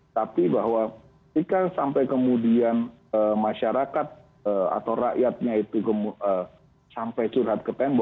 tapi bahwa ketika sampai kemudian masyarakat atau rakyatnya itu sampai curhat ke tembok